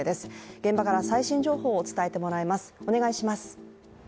現場から最新情報を伝えてもらいます。